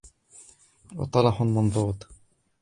وطلح منضود